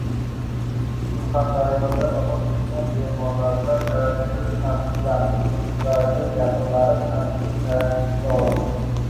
Surxondaryoda vafot etgan bemorda koronavirus tasdiqlandi. Uning yaqinlari qat’iy karantinga olindi